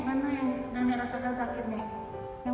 kenapa kamu yang gak makan